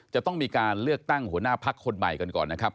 จะต้องมีการเลือกตั้งหัวหน้าพักคนใหม่กันก่อนนะครับ